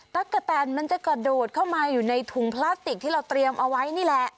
กะแตนมันจะกระโดดเข้ามาอยู่ในถุงพลาสติกที่เราเตรียมเอาไว้นี่แหละ